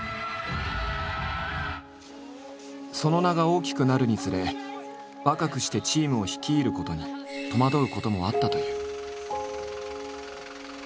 その名が大きくなるにつれ若くしてチームを率いることに戸惑うこともあったという。